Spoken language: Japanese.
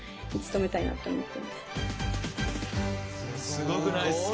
すごくないですか？